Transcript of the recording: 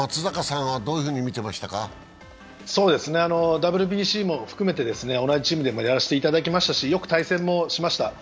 ＷＢＣも含めて同じチームでやらせていただきましたし、よく対戦もしました。